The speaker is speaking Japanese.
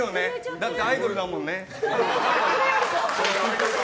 だってアイドルだもんね。